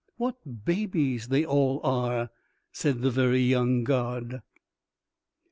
_("What babies they all are," said the very young god.)